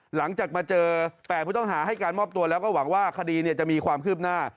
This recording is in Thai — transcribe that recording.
หลังจากมาเจอ๘ผู้ต้องหาให้การมอบตัวแล้วก็หวังว่าคดีจะมีความคืบหน้า